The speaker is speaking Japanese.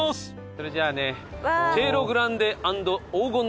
それじゃあね。